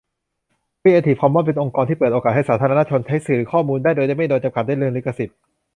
ครีเอทีฟคอมมอนส์ เป็นองค์กรที่เปิดโอกาสให้สาธารณชน ใช้สื่อหรือข้อมูลได้ โดยไม่โดนจำกัดด้วยเรื่องลิขสิทธิ์